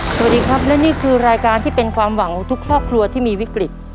สวัสดีครับและนี่คือรายการที่เป็นความหวังของทุกครอบครัวที่มีวิกฤต